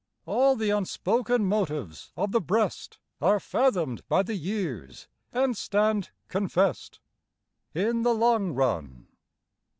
All the unspoken motives of the breast Are fathomed by the years and stand confess'd In the long run.